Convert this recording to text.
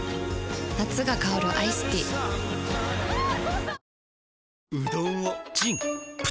夏が香るアイスティーわぁ！